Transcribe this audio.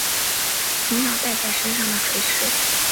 从小带在身上的垂饰